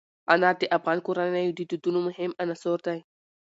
انار د افغان کورنیو د دودونو مهم عنصر دی.